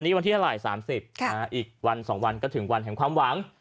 วันนี้วันที่เท่าไหร่๓๐อีกวัน๒วันก็ถึงวันแห่งความหวัง